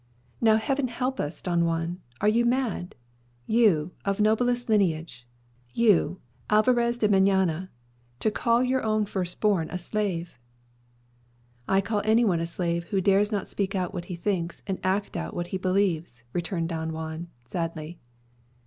"Now Heaven help us, Don Juan; are you mad? You, of noblest lineage you, Alvarez de Meñaya to call your own first born a slave!" "I call any one a slave who dares not speak out what he thinks, and act out what he believes," returned Don Juan sadly.